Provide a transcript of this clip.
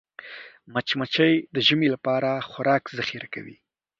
مچمچۍ د ژمي لپاره خوراک ذخیره کوي